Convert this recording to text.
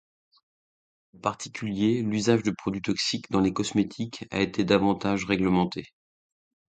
En particulier, l'usage de produits toxiques dans les cosmétiques a été davantage réglementé.